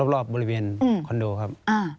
รอบบริเวณคอนโดครับ